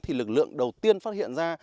thì lực lượng đầu tiên phát hiện ra